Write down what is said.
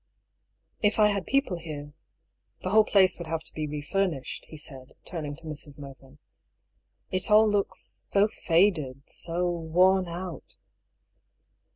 " If I had people here — the whole place would have to be refurnished," he said, turning to Mrs. Mervyn. " It all looks — so faded — so worn out."